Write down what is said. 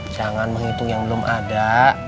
jangan menghitung yang belum ada